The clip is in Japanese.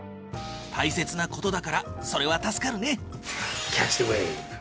大切な事だからそれは助かるね。